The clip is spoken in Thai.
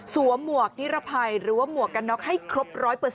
หมวกนิรภัยหรือว่าหมวกกันน็อกให้ครบ๑๐๐